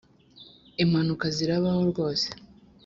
impanuka zirabaho rwose